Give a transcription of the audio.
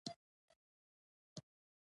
په ویلز کې دا پروسه له لږې شخړې سره مل وه.